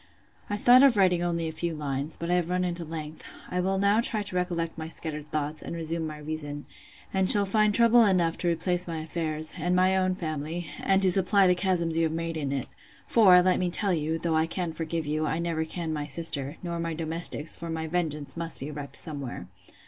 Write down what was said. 'I thought of writing only a few lines; but I have run into length. I will now try to recollect my scattered thoughts, and resume my reason; and shall find trouble enough to replace my affairs, and my own family, and to supply the chasms you have made in it: For, let me tell you, though I can forgive you, I never can my sister, nor my domestics; for my vengeance must be wreaked somewhere.